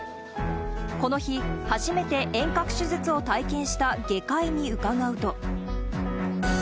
この日、初めて遠隔手術を体験した外科医に伺うと。